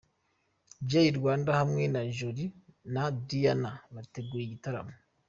Jay Rwanda hamwe na Jolie na Dianah bateguye igitaramo